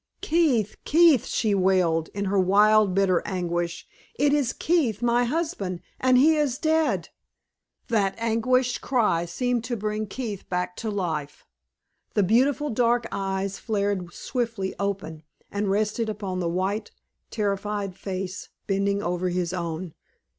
"Keith! Keith!" she wailed, in her wild, bitter anguish. "It is Keith, my husband, and he is dead!" That agonized cry seemed to bring Keith back to life. The beautiful dark eyes flared swiftly open, and rested upon the white, terrified face bending over his own.